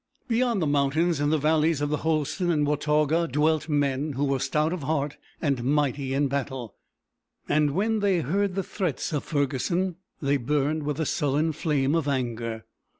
Beyond the, mountains, in the valleys of the Holston and Watauga, dwelt men who were stout of heart and mighty in battle, and when they heard the threats of Ferguson they burned with a sullen flame of anger.